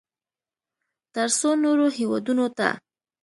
ترڅو نورو هېوادونو ته